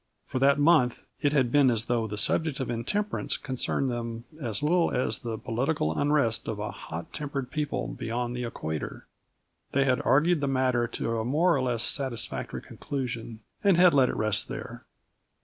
For that month, it had been as though the subject of intemperance concerned them as little as the political unrest of a hot tempered people beyond the equator. They had argued the matter to a more or less satisfactory conclusion, and had let it rest there.